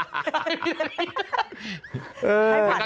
วินาที